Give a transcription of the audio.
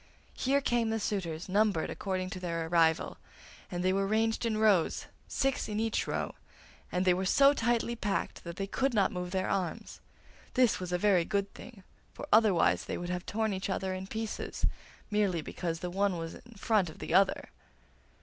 Here came the suitors numbered according to their arrival, and they were ranged in rows, six in each row, and they were so tightly packed that they could not move their arms. This was a very good thing, for otherwise they would have torn each other in pieces, merely because the one was in front of the other.